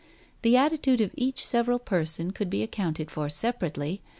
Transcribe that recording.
The attitude of each several person could be accounted for separately.